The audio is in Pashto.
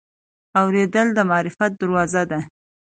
اورېدل د معرفت دروازه ده.